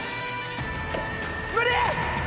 無理！